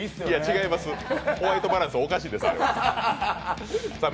違います、ホワイトバランスおかしいです、あれは。